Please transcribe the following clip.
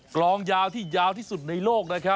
กลองยาวที่ยาวที่สุดในโลกนะครับ